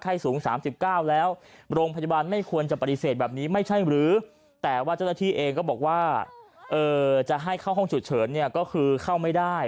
สูง๓๙แล้วโรงพยาบาลไม่ควรจะปฏิเสธแบบนี้ไม่ใช่หรือแต่ว่าเจ้าหน้าที่เองก็บอกว่าจะให้เข้าห้องฉุกเฉินเนี่ยก็คือเข้าไม่ได้